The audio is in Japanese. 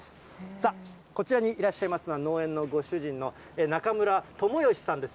さあ、こちらにいらっしゃいますのは、農園のご主人の中村知由さんです。